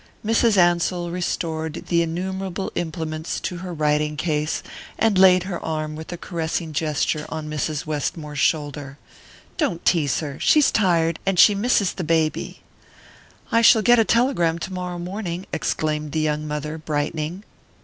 Mrs. Ansell restored the innumerable implements to her writing case, and laid her arm with a caressing gesture on Mrs. Westmore's shoulder. "Don't tease her. She's tired, and she misses the baby." "I shall get a telegram tomorrow morning," exclaimed the young mother, brightening.